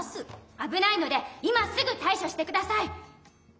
あぶないので今すぐたいしょしてください！